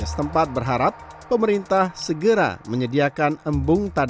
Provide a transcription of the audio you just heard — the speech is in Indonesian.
warga setempat berharap pemerintah segera menyediakan embung tanah air ini